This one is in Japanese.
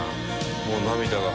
「もう涙が。